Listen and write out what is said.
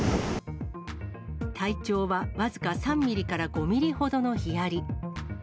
体長は僅か３ミリから５ミリほどのヒアリ。